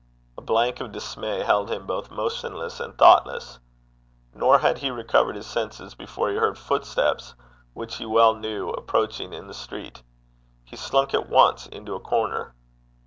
A blank of dismay held him both motionless and thoughtless; nor had he recovered his senses before he heard footsteps, which he well knew, approaching in the street. He slunk at once into a corner.